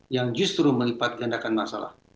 yang justru melipat gandakan masalah